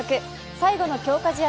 最後の強化試合